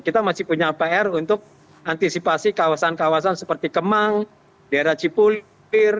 kita masih punya pr untuk antisipasi kawasan kawasan seperti kemang daerah cipulir